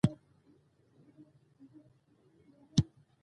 ماشومان له ښوونکي نوې کیسې زده کوي